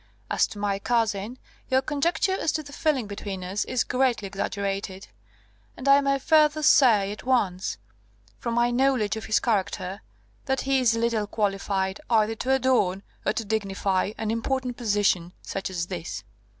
As to my cousin, your conjecture as to the feeling between us is greatly exaggerated; and I may further say at once, from my knowledge of his character, that he is little qualified either to adorn or to dignify an important position such as this.